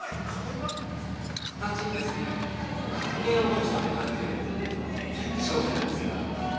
形に革命を起こしたと言われている商品なんですが。